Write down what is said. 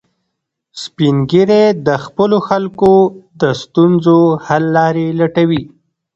سپین ږیری د خپلو خلکو د ستونزو حل لارې لټوي